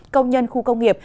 công nhân khu công nghiệp